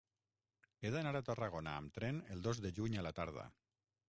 He d'anar a Tarragona amb tren el dos de juny a la tarda.